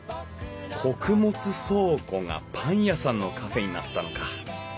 穀物倉庫がパン屋さんのカフェになったのか。